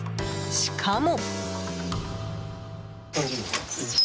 しかも。